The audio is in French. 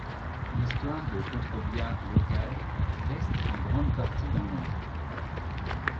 L'histoire de Contrebia Leucade reste en grande partie dans l'ombre.